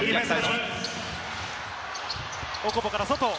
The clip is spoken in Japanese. オコボから外。